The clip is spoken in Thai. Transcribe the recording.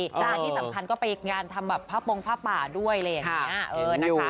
อันนี้สำคัญก็ไปงานทำแบบผ้าปรงผ้าป่าด้วยเลยอย่างนี้